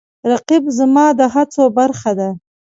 رقیب زما د هڅو برخه ده